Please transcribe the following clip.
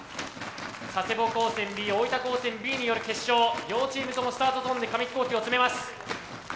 佐世保高専Ｂ大分高専Ｂによる決勝両チームともスタートゾーンで紙飛行機を詰めます。